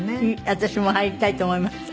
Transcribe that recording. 私も入りたいと思いました。